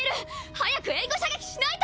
早く援護射撃しないと！